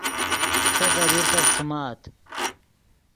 تے ڤے لیرسف ݯیمآت